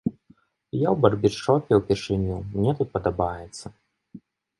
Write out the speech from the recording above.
Я ў барбершопе ўпершыню, мне тут падабаецца.